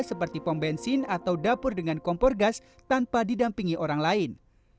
seperti pom bensin atau dapur dengan kompor gas tanpa didampingi orang lain